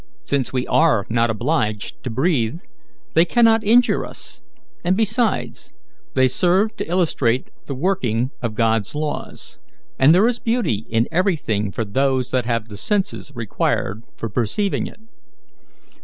Since we are not obliged to breathe, they cannot injure us; and, besides, they serve to illustrate the working of God's laws, and there is beauty in everything for those that have the senses required for perceiving it.